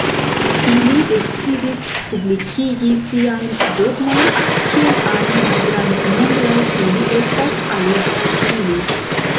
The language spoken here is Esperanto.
Ili decidis publikigi siajn dogmojn, kiel ajn malgrandnombraj ili estas, aliĝi al ili.